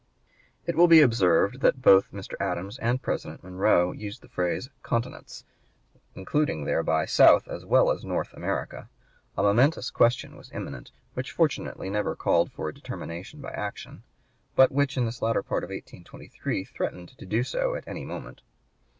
It will be observed that both Mr. Adams and President Monroe used the phrase "continents," including thereby South as well as North America. A momentous question was imminent, which fortunately never called for a determination by action, but which in this latter part of 1823 threatened to do so at any moment.